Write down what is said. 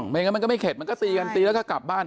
ไม่งั้นมันก็ไม่เข็ดมันก็ตีกันตีแล้วก็กลับบ้าน